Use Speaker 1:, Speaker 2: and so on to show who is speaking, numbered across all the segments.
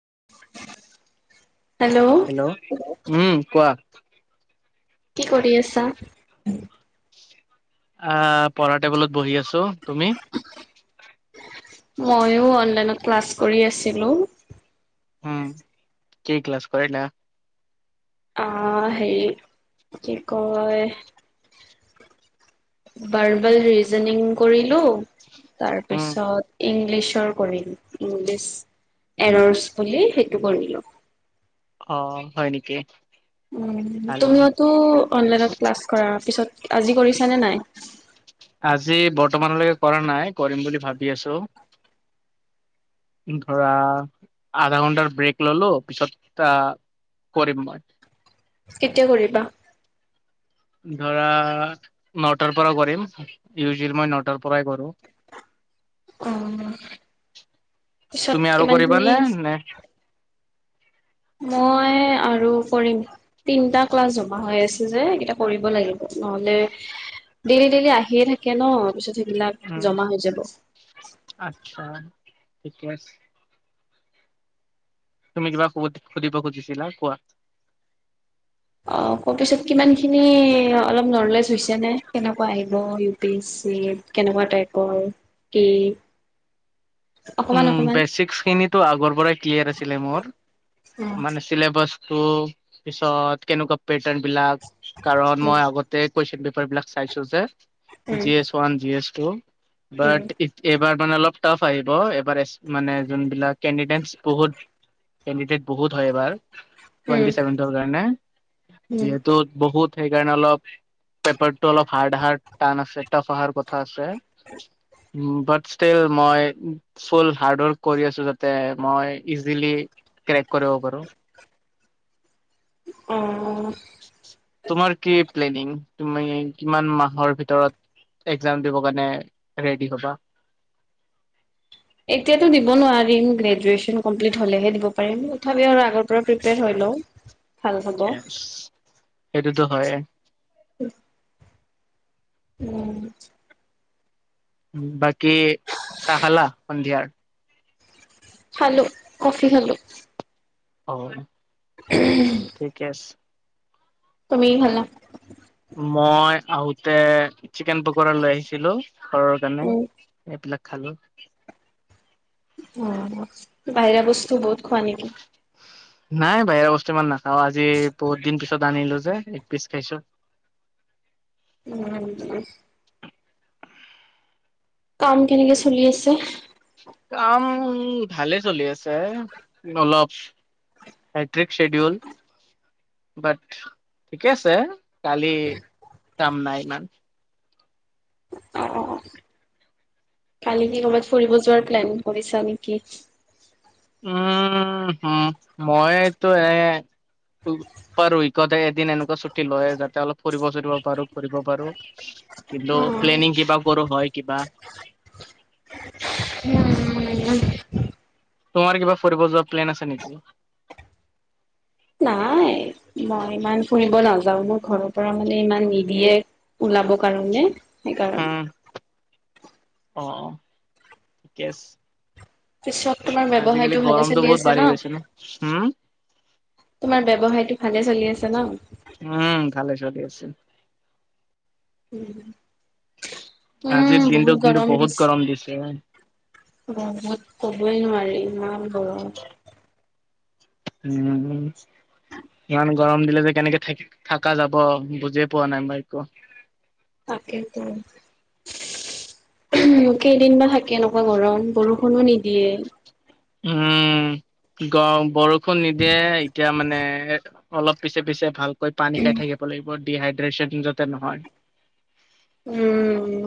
Speaker 1: [inaudible]
Speaker 2: Hello উম কোৱা।
Speaker 1: কি কৰি আছা।
Speaker 2: আহ পঢ়া টেবুলত বহি আছো তুমি।
Speaker 1: ময়ো অনলাইনত ক্লাছ কৰি আছিলো।
Speaker 2: উম' কি ক্লাছ কৰিলা।
Speaker 1: অহ হেৰি কি কয়। বাৰ্বেল ৰিজনিং কৰিলো,
Speaker 2: উম।
Speaker 1: তাৰপিছত ইংলি ইংলিছৰ কৰিলো, ইংলিছ এৰছ বুলি সেইটো কৰিলো।
Speaker 2: অ' হয় নেকি। ভাল ভাল।
Speaker 1: তুমিওতো অনলাইনত ক্লাছ কৰা পিছত আজি কৰিছ নে নাই।
Speaker 2: আজি বৰ্তমানলৈকে কৰা নাই, কৰিম বুলি ভাবি আছো। ধৰা আধা ঘণ্টাৰ ব্ৰেক ললো পিছত আহ কৰিম
Speaker 1: কেতিয়া কৰিবা
Speaker 2: ধৰা নটাৰ পৰা কৰিম ইউজুৱেলি মই নটাৰ পৰাই কৰো
Speaker 1: অ', পিছত
Speaker 2: তুমি আৰু
Speaker 1: কিমানখিনি
Speaker 2: কৰিবানে নে
Speaker 1: মই আৰু কৰিম তিনটা ক্লাছ জমা হৈ আছে যে এইকেইটা কৰিব লাগিব নহলে ডেইলি ডেইলি আহিয়ে থাকে ন পিছত সেইবিলাক
Speaker 2: উম
Speaker 1: জমা হৈ যাব
Speaker 2: িকছে তুমি কিবা সু সুধিব খুজিছিলা কোৱাত
Speaker 1: অক পিছত কিমান খিনি অলপ নলেজ হৈছে নে কেনেকুৱা আহিব ইউ পি এছ চি কেনেকুৱা টাইপৰ কি অকমান
Speaker 2: উম
Speaker 1: অকমান
Speaker 2: বেচিক খিনিতো আগৰ পৰাই ক্লিয়াৰ আছিলে মোৰ
Speaker 1: উম
Speaker 2: মানে চিলেবাছ ত পিছত কেনেকুৱা পেটাৰ্ণ বিলাক কাৰণ মই আগতে কৈছিলো
Speaker 1: উম
Speaker 2: ওৱান জি
Speaker 1: উম উম
Speaker 2: মান অলপ টাফ আহিব ব এবাৰ মানে যোনবিলাক কেণ্ডিডেট বহুত কেণ্ডিডেট বহুত হয় এইবাৰ
Speaker 1: উম
Speaker 2: টুৱেন্টি চেভেন্ৰ কাৰণে
Speaker 1: উম
Speaker 2: যিহেতু বহুত সেই কাৰণে অলপ পেপাৰতটো অলপ হাৰ্ড আহাৰ্ড টান আছে টাফ আহাৰ কথা আছে উ বাট ষ্টল মই ফুল হাৰ্ড ৰ্ক কৰি আছো যাতে মই ইজিলি ক্ৰেক কৰিব পাৰোঁ
Speaker 1: অ
Speaker 2: তোমাৰ কি প্লেনিং তুমি কিমান মাহৰ ভিতৰত এ্জাম দিব কাৰে ৰেডি হ'বা
Speaker 1: এতিয়াটো দিব নোৱাৰিম গ্ৰেজুৱেচন কমপ্লিট হলেহে দিব পাৰিম তথাপি আৰু আগৰ পৰা প্ৰপয়াৰ হেল্ল'
Speaker 2: সেইটোতো হয়
Speaker 1: উ উম
Speaker 2: বাকি চখলা অন্ধিয়াৰ
Speaker 1: খালো কফি খালো
Speaker 2: অ', ঠিকে আছে।
Speaker 1: তুমি ভাল ন'?
Speaker 2: মই আহোতে চিকেন পকৰা লৈ আহিছিলোঁ। ঘৰৰ কাৰণে
Speaker 1: উম
Speaker 2: এইবিলাক খালোঁ।
Speaker 1: অ', বাহিৰা বস্তু বহুত খোৱা নেকি?
Speaker 2: নাই বাহিৰা বস্তু ইমান নাখাওঁ, আজি বহুত দিন পিছত। আনিলো যে এক পিছ খাইছোঁ।
Speaker 1: উম। কাম কেনেকে চলি আছে?
Speaker 2: কাম ভালে চলি আছে, অলপ। হেকট্ৰিক ছিডিউল, বাট ঠিকে আছে। কালি কাম নাই ইমান।
Speaker 1: অ', অ', অ। কালি কি কৰ'বাত ফুৰিব যোৱাৰ প্লেন কৰিছা নেকি?
Speaker 2: উম হম মইতো এ। পাৰ উইকতে এদিন এনেকুৱা ছুটি লয় যাতে অলপ ফুৰিব চুৰিব পাৰো ফুৰিব পাৰো। কিন্তু
Speaker 1: উম,
Speaker 2: প্লেনিং কিবা কৰো হয় কিবা।
Speaker 1: উম।
Speaker 2: তোমাৰ কিবা ফুৰিব যোৱা প্লেন আছে নেকি?
Speaker 1: নাই, মই ইমান ফুৰিব নাযাওঁ মোৰ ঘৰৰ পৰা মানে ইমান নিদিয়ে। উলাব কাৰণে। সেইকাৰণে
Speaker 2: উম, অ' অ, ঠিকে আছে।
Speaker 1: পিছত তোমাৰ
Speaker 2: আজিকালি
Speaker 1: ব্যৱসায়টো ভালে
Speaker 2: গৰমটো
Speaker 1: চলি
Speaker 2: বহুত
Speaker 1: আছে
Speaker 2: বাঢ়ি গৈছে ন'? হুম।
Speaker 1: তোমাৰ ব্যৱসায়টো ভালে চলি আছে ন'?
Speaker 2: উম ভালে চলি আছে
Speaker 1: উম।
Speaker 2: আজিৰ
Speaker 1: বহুত
Speaker 2: দিনটো কিন্তু
Speaker 1: গৰম
Speaker 2: বহুত
Speaker 1: দিছে।
Speaker 2: গৰম দিছে।
Speaker 1: বহুত, কবই নোৱাৰি ইমান গৰম।
Speaker 2: উম। ইমান গৰম দিলে যে কেনেকে থেক থাকা যাব বুজিয়ে পোৱা নাই মই একো।
Speaker 1: তাকেটো। কেইদিন বা থাকে এনেকুৱা গৰম, বৰষুণো নিদিয়ে।
Speaker 2: উম। গৰম, বৰষুণ নিদিয়ে এতিয়া মানে অলপ পিছে পিছে ভালকৈ পানী খাই থাকিব লাগিব ডিহাইড্ৰেচন যাতে নহয়।
Speaker 1: উম।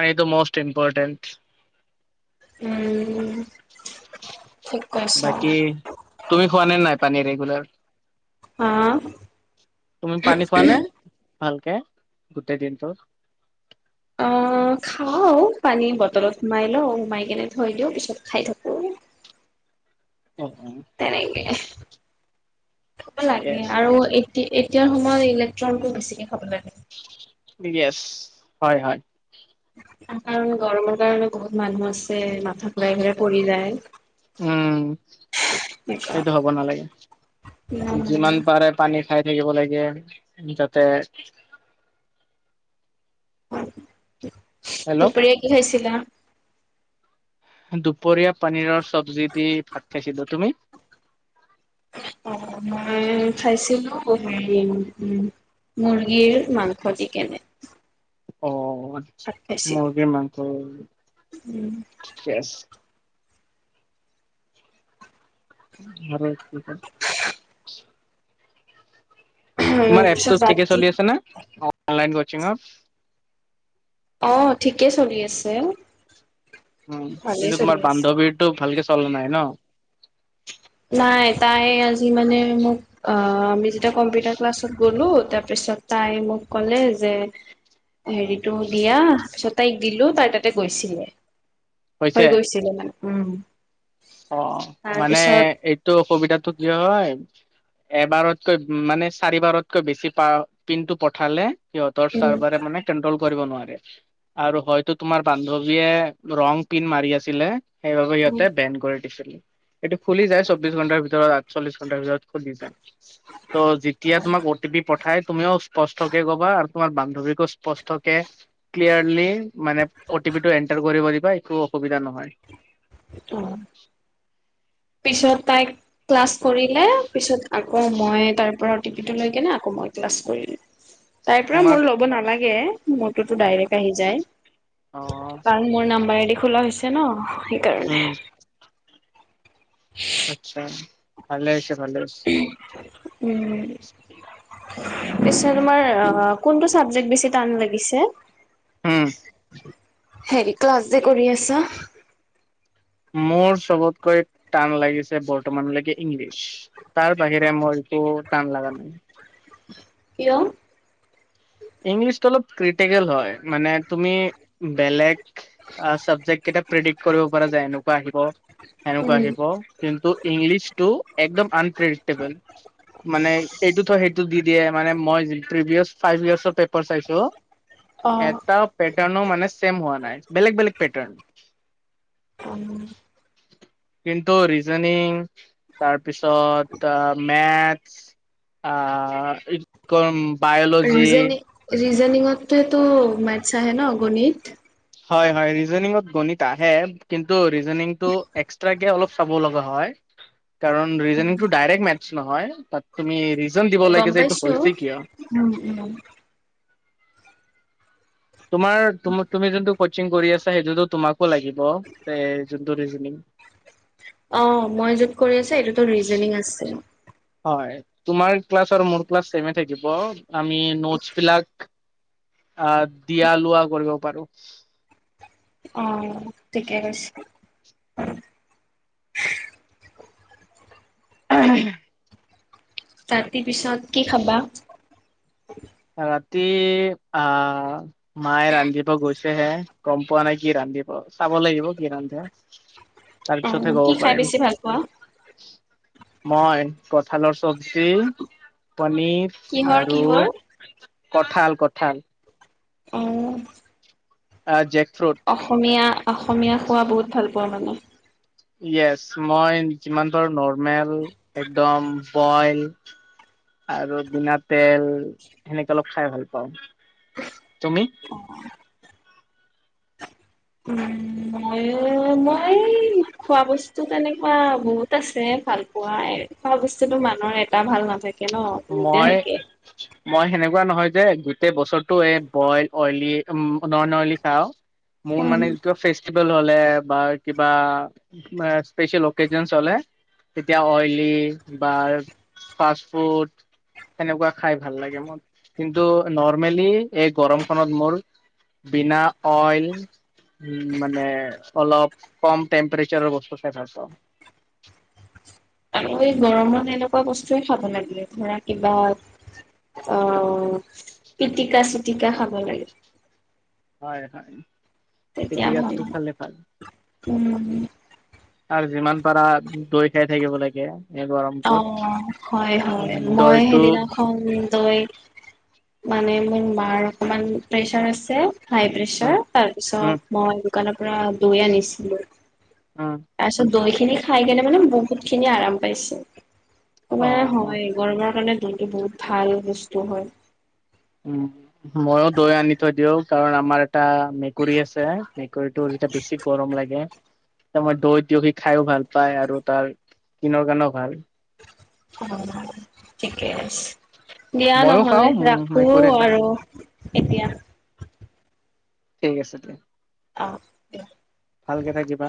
Speaker 2: আৰু এইটো ম'ষ্ট ইম্পৰৰ্টেণ্ট।
Speaker 1: উম ঠিক কৈছা।
Speaker 2: বাকী তুমি খোৱা নে নাই পানী ৰেগুলাৰ?
Speaker 1: হা
Speaker 2: তুমি পানী খোৱা নে? ভালকে, গোটেই দিনটো?
Speaker 1: অ খাও পানী বটলত সোমাই লওঁ সোমাই কেনে থৈ দিওঁ পিছত খাই থাকো।
Speaker 2: অ অ
Speaker 1: তেনেকে। খাব লাগে
Speaker 2: য়েছ
Speaker 1: আৰু এতি এতিয়াৰ সময়ত ইলেক্ট্ৰনটো বেছিকে খাব লাগে।
Speaker 2: ইয়েছ, হয় হয়।
Speaker 1: কাৰণ গৰমৰ কাৰণে বহুত মানুহ আছে মাথা ঘূৰাই ঘূৰাই পৰি যায়।
Speaker 2: উম,
Speaker 1: এনেকুৱা
Speaker 2: সেইটো হ'ব নালাগে,
Speaker 1: উম
Speaker 2: যিমান পাৰে পানী খাই থাকিব লাগে, যাতে হেল্ল'
Speaker 1: দুপৰীয়া কি খাইছিলা?
Speaker 2: দুপৰীয়া পানীৰৰ চব্জি দি ভাত খাইছিলোঁ, তুমি?
Speaker 1: [unintelligible] খাইছিলোঁ। [inaudible] মুৰ্গীৰ মাংস দি কেনে।
Speaker 2: অ
Speaker 1: ভাত
Speaker 2: আত্চ্ছা
Speaker 1: খাইছিলো
Speaker 2: মুৰ্গী মাংস ঠিকে আছে। [unintelligible] [inaudible] তোমাৰ
Speaker 1: পিছত
Speaker 2: এপটো ঠিকে
Speaker 1: ৰাতি
Speaker 2: চলি আছে নে, নলাইন কচিংৰ
Speaker 1: অঁ ঠিকেই চলি আছে।
Speaker 2: উম
Speaker 1: ভালেই
Speaker 2: কিন্তু
Speaker 1: চলি
Speaker 2: তোমাৰ
Speaker 1: আছে।
Speaker 2: বান্ধৱীৰটো ভালকে চলা নাই ন?
Speaker 1: নাই তাই আজি মানে মোক অঁ এয়া কম্পিউটাৰ ক্লাছত গ'লো তাৰপিছত তাই মোক ক'লে যে, হেৰিটো দিয়া পিছত তাইক দিলো তাই তাতে গৈছিলে হৈ গৈছিলে মানে, উম।
Speaker 2: অঁ মানে
Speaker 1: তাৰপিছত
Speaker 2: এইটো অসুবিধাতো কি হয় এবাৰতকৈ উ মানে চাৰিবাৰতকৈ বেছি পাৱাৰ পিনটো পঠালে সিহঁতৰ
Speaker 1: উম
Speaker 2: চাৰ্ভাৰে মানে কৰিব নোৱাৰে আৰু হয়তো তোমাৰ বান্ধৱীয়ে ৰং পিন মাৰি আছিলে সেইবাবে
Speaker 1: উম
Speaker 2: সিহঁতে বেন কৰি এইটো খুলি যায় চৌবিশ ঘন্টাৰ ভিতৰত আঠচল্লিশ ঘন্টাৰ ভিতৰত খুলি যায়। ত' যেতিয়া তোমাক অ টি পি প পঠাই তুমিও স্পষ্টকে কবা আৰু তোমাৰ বান্ধৱীকো স্পষ্টকে ক্লিয়াৰলি, মানে অ' টি পিটো এণ্টাৰ কৰিব দিবা একো অসুবিধা নহয়।
Speaker 1: া মই ক্লাছ কৰিলো তাইৰ পৰা
Speaker 2: তোমাৰ
Speaker 1: মোৰ ল'ব নালাগে মটোতো
Speaker 2: হয়।
Speaker 1: ডাইৰেক্ট আহি যায়
Speaker 2: অ'
Speaker 1: কাৰণ মোৰ নাম্বাৰ এদি খোলা হৈছে ন
Speaker 2: উম,
Speaker 1: সেইকাৰণে
Speaker 2: আচ্ছা ভালে আ হৈছেো ভালে আছ
Speaker 1: উম
Speaker 2: ঠ
Speaker 1: তোমাৰ কোনটো চাবে বেছি লাগি
Speaker 2: উম
Speaker 1: হেৰি ক্লাছ যে কৰি আছা
Speaker 2: মোৰ চবতকৈ টান লাগিছে বৰ্তমানলৈকে ইংলিছ তাৰ বাহিৰে মই তটো টান লাগা নাই
Speaker 1: কয়
Speaker 2: ইংলিছটো অলপ ক্ৰিটিকেল হয় মানে তুমি বেলেগ চাবজেক্ কেইটা প্ৰিডিকট কৰিব পৰা যায় এনেকুৱা আহিব
Speaker 1: উম।
Speaker 2: সেনেকুৱা আহিব কিন্তু ইংলিছ টো একদম আনপ্ৰেডিক্টেবল মানে এইটো থ সেইটো দি দিয়ে মানে মই প্ৰিভিয়াচ ফাইভ ইয়াৰ্চৰ পেপাৰ চাইছো
Speaker 1: অ'।
Speaker 2: এটা পেটাৰ্ণো মানে চছেম হোৱা নাই বেলেগ বেলেগ পেটাৰ্ণ
Speaker 1: উ
Speaker 2: কিন্তন্তু ৰিজননিং তাৰপিছত আহ মেথছ আহ কম বায়'লজি
Speaker 1: ৰিজনিঙতো মেথছ আহে নগণিত
Speaker 2: হয়জনত গণিত আহে কিন্তু টো এক্স্ৰ অ চ লগা হয় কাৰটো ড মে নহয় তাত ত দিব
Speaker 1: গম
Speaker 2: লাগে যে এইটো
Speaker 1: পাইছো।
Speaker 2: হৈছে কিয়
Speaker 1: উম, উম।
Speaker 2: তোমাৰ তুমি যোনটো কচিং কৰি আছা সেইটোতো তোমাকো লাগিব জন্ত জনিং
Speaker 1: অ মই যত কৰি আছো এইটোতো ৰিজনিং আছে
Speaker 2: হয়োাৰ্া মোৰ্া থ আমি নট বিলাক আহ দিয়া লোৱা কৰিব পাৰো
Speaker 1: অ ঠিকে কৈছে
Speaker 2: অ
Speaker 1: তাৰ পি পিছত কি খাবা
Speaker 2: ৰাতি আহ মায়ে ৰান্ধিব গৈছেহে গম পোৱা নাই কি ৰান্ধি দিব চাব লাগিব কি ৰান্ধে তাৰপিছতহে
Speaker 1: অ',
Speaker 2: ক'ব
Speaker 1: কি খাই
Speaker 2: পাৰিম
Speaker 1: বেছি ভাল পোৱা?
Speaker 2: মই কঁঠালৰ চব্জি পনীৰ
Speaker 1: কিহৰ
Speaker 2: আৰু
Speaker 1: কিহৰ?
Speaker 2: কঠাল কঠাল
Speaker 1: আৰু
Speaker 2: অ জেক ফ্ৰুট
Speaker 1: অসমীয়া অসমীয়া খোৱা বহুত ভাল পাওঁ মানে
Speaker 2: ইয়েছ মই যিমান পাৰো নৰ্মেল একদম বইল আৰু বিনা তেল সেনেকে অলপ খাই ভাল পাওঁ তুমি
Speaker 1: উম মই মই খোৱা বস্তু তেনেকুৱা বহুত আছে ভাল পোৱা এনেক খুৱা বস্তুতো মানুৰ এটা ভাল নাথাকে ন বহুতে
Speaker 2: মই
Speaker 1: থাকে
Speaker 2: মই সেনেকুৱা নহয় যে গোটেই বছৰটো এই বইল অইলী উ নন অইলি খাও মোৰ
Speaker 1: উম
Speaker 2: মানেে যিতো ফেষ্ট হ'লে কিবা স্পেচিয়েল অকে‌জেন‌ তেতিয়া অইলি বা- সেনেকুৱা খাই ভাল লাগে মোৰ কিন্তু নৰ্মেলি এই গৰমখনত মোৰ- বিনা অইল উম মানে অলপ কম টেম্পাৰেচাৰৰ বস্তু চাই ভাল পাওঁ। [inaudible]
Speaker 1: আৰু আমি এই গৰমত এনেকুৱা বস্তুৱে খাব লাগে ধৰা কিবা। অ পিটিকা চিতিকা খাব লাগে।
Speaker 2: হয় হয়।
Speaker 1: তেতিয়া ভাল
Speaker 2: পিটিকাটো খালে ভাল
Speaker 1: উম।
Speaker 2: আৰু যিমান পাৰা দৈ খাই থাকিব লাগে। এই
Speaker 1: অ
Speaker 2: গৰমটোত
Speaker 1: হয় হয় মই
Speaker 2: দৈটো
Speaker 1: সেইদিনাখন দৈ মানে মোৰ মাৰ অকণমান প্ৰেছাৰ আছে। হাই
Speaker 2: উম
Speaker 1: প্ৰেছাৰ
Speaker 2: উম
Speaker 1: তাৰপিছত মই দোকানৰ পৰা দৈ আনিছিলো।
Speaker 2: উম
Speaker 1: তাৰপিছত দৈ খিনি খাই কিনে মানে বহুত খিনি আৰাম পাইছে
Speaker 2: অ
Speaker 1: তোমাৰ হয় গৰমৰ কাৰণে দৈ টো বহুত ভাল বস্তু হয়।
Speaker 2: উম ময়ো দৈ আনি থৈ দিওঁ কাৰণ আমাৰ এটা মেকুৰী আছে মেকুৰীটোৰ যেতিয়া বেছি গৰম লাগে তাৰ মই দৈ দয়খি খাইো ভাল পায় আৰু তাৰ ইস্কিনৰ কাৰণেও ভাল।
Speaker 1: অ ঠিকে আছে। দিয়া
Speaker 2: মইয়ো
Speaker 1: নহলে
Speaker 2: খাওঁ
Speaker 1: ৰাখো
Speaker 2: মেকুৰীয়ে খাওঁ
Speaker 1: আৰু এতিয়া।
Speaker 2: ঠিক আছে দে।
Speaker 1: অ দিয়া।
Speaker 2: থাকিবা।